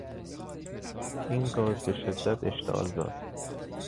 این گاز به شدت اشتعالزاست